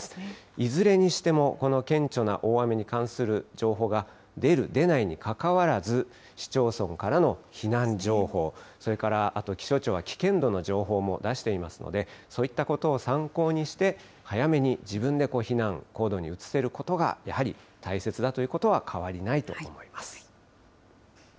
いずれにしても、この顕著な大雨に関する情報が出る、出ないにかかわらず、市町村からの避難情報、それからあと気象庁は危険度の情報も出していますので、そういったことを参考にして、早めに自分で避難行動に移せることがやはり大切だということは変わりないと思います。